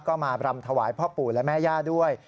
ก็มารำถวายพ่อปู่และแม่ย่าด้วย